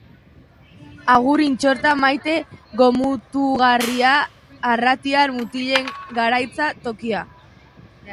Agur Intxorta maite gomutagarria Arratiar mutilen garaitza tokia.